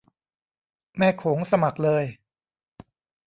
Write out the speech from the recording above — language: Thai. แม่โขงสมัครเลย